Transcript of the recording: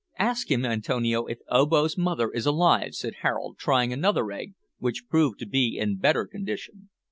"Ask him, Antonio, if Obo's mother is alive," said Harold, trying another egg, which proved to be in better condition.